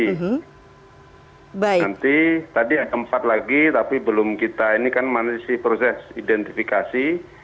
nanti tadi ada empat lagi tapi belum kita ini kan masih proses identifikasi